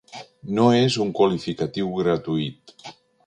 No és un qualificatiu gratuït.